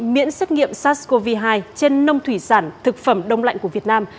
miễn xét nghiệm sars cov hai trên nông thủy sản thực phẩm đông lạnh của việt nam